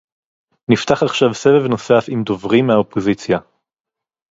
נפתח עכשיו סבב נוסף עם דוברים מהאופוזיציה